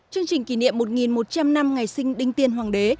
chương trình kỷ niệm một một trăm linh năm ngày sinh đinh tiên hoàng đế